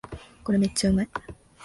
これめっちゃうまい